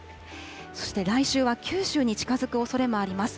そして来週は九州に近づくおそれもあります。